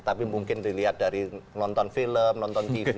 tapi mungkin dilihat dari nonton film nonton tv